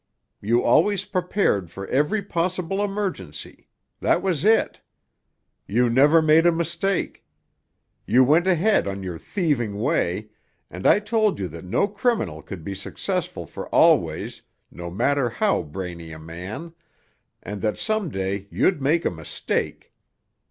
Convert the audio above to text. You always prepared for every possible emergency; that was it. You never made a mistake. You went ahead on your thieving way, and I told you that no criminal could be successful for always, no matter how brainy a man, and that some day you'd make a mistake.